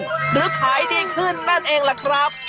หรือขายดีขึ้นนั่นเองล่ะครับ